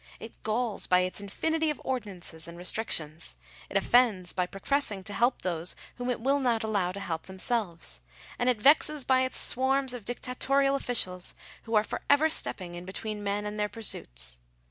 It galls by its infinity of ordinances and restrictions ; it offends by professing to help those whom it will not allow to help themselves ; and it vexes by its swarms of dictatorial officials, who are for ever stepping in between men and their pursuits.